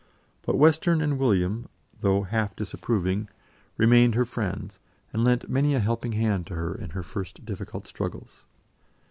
But Western and William, though half disapproving, remained her friends, and lent many a helping hand to her in her first difficult struggles.